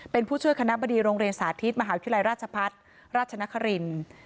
เป็นผู้ช่วยคณะบดีโรงเรียนสาธิตมหาวิทยาลัยราชพัฒน์ราชนครินทร์